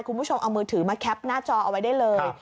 คุณผู้ชมเอามือถือมาแคปหน้าจอเอาไว้ได้เลย